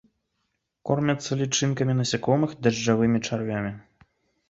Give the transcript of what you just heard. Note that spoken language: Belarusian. Кормяцца лічынкамі насякомых, дажджавымі чарвямі.